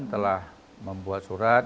telah membuat surat